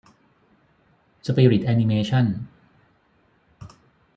สปิริตแอนิเมชั่น